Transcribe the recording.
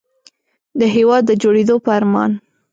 د هېواد د جوړېدو په ارمان.